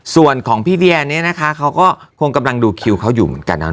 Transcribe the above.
ส่วนของพี่เดียเนี่ยนะคะเขาก็คงกำลังดูคิวเขาอยู่เหมือนกันนะ